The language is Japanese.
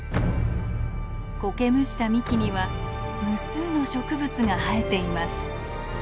こけむした幹には無数の植物が生えています。